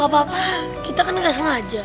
gak apa apa kita kan gak sengaja